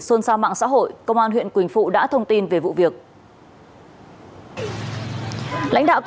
xôn xa mạng xã hội công an huyện quỳnh phụ đã thông tin về vụ việc